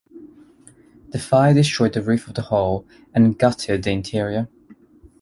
The fire destroyed the roof of the hall and gutted the interior.